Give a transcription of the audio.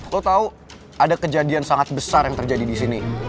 lo tahu ada kejadian sangat besar yang terjadi di sini